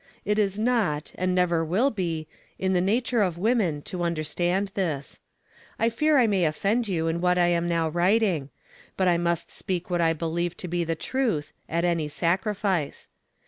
It is not, and never will be, in the nature of women to understand this. I fear I may offend you in what I am now writing; but I must speak what I believe to be the truth, at any sacrifice.